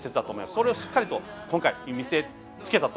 それをしっかりと今回見せつけたと。